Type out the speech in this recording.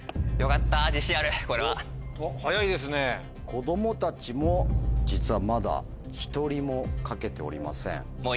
子供たちも実はまだ１人も書けておりません。